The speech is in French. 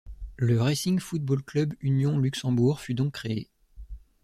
Le Racing Football Club Union Luxembourg fut donc créé.